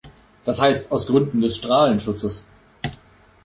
Das heißt, aus Gründen des Strahlenschutzes.